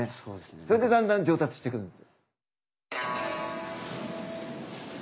それでだんだん上達してくるんです。